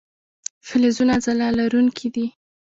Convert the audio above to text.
فلزونه ځلا لرونکي دي.